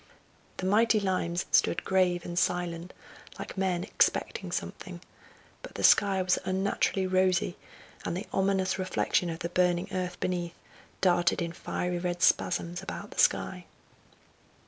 The mighty limes stood grave and silent, like men expecting something, but the sky was unnaturally rosy, and the ominous reflection of the burning earth beneath darted in fiery red spasms about the sky.